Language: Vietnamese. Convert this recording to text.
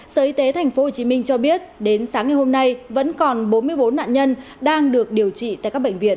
sở y tế tp hcm cho biết đến sáng ngày hôm nay vẫn còn bốn mươi bốn nạn nhân đang được điều trị tại các bệnh viện